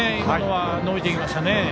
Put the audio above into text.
今のは伸びていきましたね。